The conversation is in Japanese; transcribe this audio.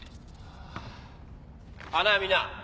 なあみんな。